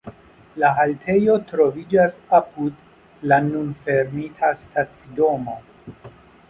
La haltejo troviĝas apud la nun fermita stacidomo.